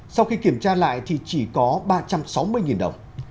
sau khi kiểm tra lại thì chỉ có ba trăm sáu mươi đồng